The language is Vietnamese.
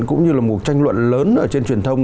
cũng như là một tranh luận lớn ở trên truyền thông